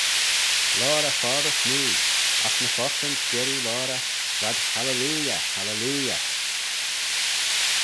Loayr eh foddey smoo, agh ny focklyn s'jerree loayr eh, va'd "Hallelujah! Hallelujah!"